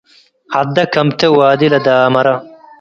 ዐደ ከምቴ ዋዲ ለዳመረ